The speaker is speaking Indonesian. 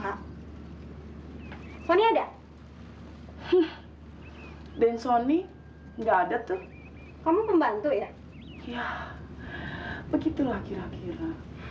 hai pani ada hai dan sony enggak ada tuh kamu membantu ya ya begitulah kira kira